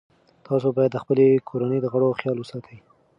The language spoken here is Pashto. تاسو باید د خپلې کورنۍ د غړو خیال وساتئ.